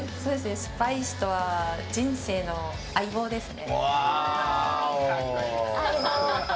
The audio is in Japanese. スパイスとは人生の相棒ですね。